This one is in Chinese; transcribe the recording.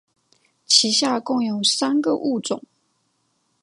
其下共有三个物种。